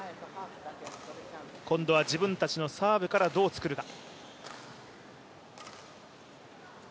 今度は自分たちのサーブからどうつくるか。